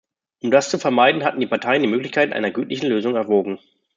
Um das zu vermeiden, hatten die Parteien die Möglichkeit einer gütlichen Lösung erwogen.